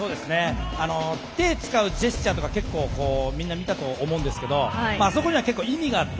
手を使うジェスチャーとか結構みんな見たと思うんですけどあそこには結構、意味があって。